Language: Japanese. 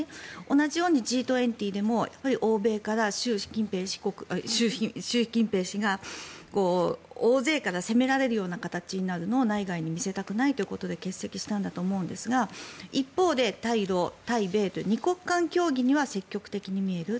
同じようにＧ２０でも欧米から習近平氏が大勢から攻められる形になるのを内外に見せたくないということで欠席したんだと思うんですが一方で対ロ、対米という２国間協議には積極的に見える。